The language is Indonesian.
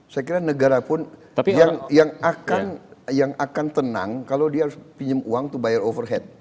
saya kira negara pun yang akan tenang kalau dia harus pinjam uang to buyer overhead